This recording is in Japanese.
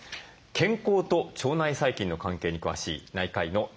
健康と腸内細菌の関係に詳しい内科医の鳥居明さんです。